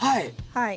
はい。